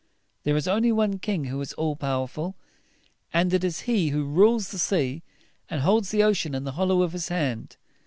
There is only one King who is all powerful; and it is he who rules the sea, and holds the ocean in the hollow of his hand.